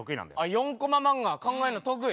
４コマ漫画考えんの得意。